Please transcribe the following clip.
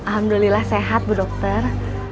alhamdulillah sehat bu dokter